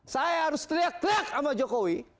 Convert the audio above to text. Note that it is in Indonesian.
saya harus teriak teriak sama jokowi